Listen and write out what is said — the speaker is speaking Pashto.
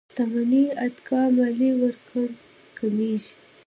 شتمنۍ اتکا ماليې ورکړې کمېږي.